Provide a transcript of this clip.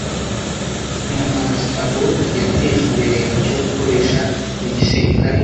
Umuhanzi Abbott yateje imbere icyo gukoresha mu igisirikare